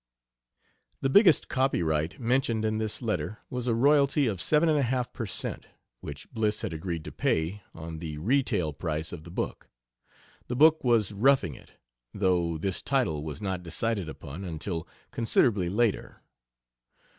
The "biggest copyright," mentioned in this letter, was a royalty of 7 1/2 per cent., which Bliss had agreed to pay, on the retail price of the book. The book was Roughing It, though this title was not decided upon until considerably later.